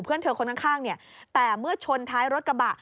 เพื่อนเธอคนข้างเนี่ยแต่เมื่อชนท้ายรถกระบะ